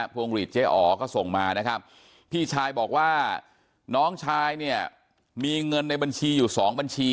วงหลีดเจ๊อ๋อก็ส่งมานะครับพี่ชายบอกว่าน้องชายเนี่ยมีเงินในบัญชีอยู่สองบัญชี